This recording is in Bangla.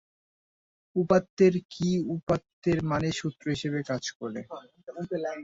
উপাত্তের কী উপাত্তের মানের সূত্র হিসেবে কাজ করে।